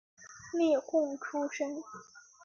例贡出身。